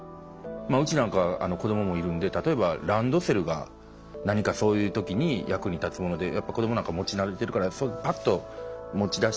うちなんか子供もいるので例えばランドセルが何かそういう時に役に立つもので子供なんか持ち慣れてるからパッと持ち出して。